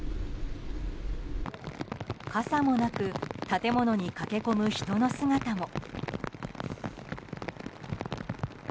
傘もなく建物に駆け込む人の姿も。